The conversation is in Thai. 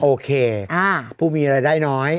โอเคผู้มีรายได้น้อย